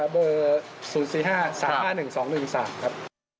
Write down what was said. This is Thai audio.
เบอร์๐๔๕๓๕๑๒๑๓ครับ